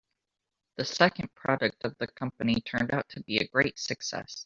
The second product of the company turned out to be a great success.